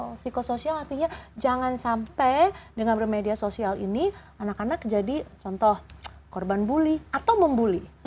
psikososial artinya jangan sampai dengan media sosial ini anak anak jadi contoh korban bully atau mem bully